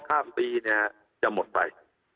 ข้ามปีเนี่ยจะหมดไป